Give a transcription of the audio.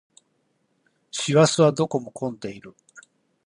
師走はどこも混んでいる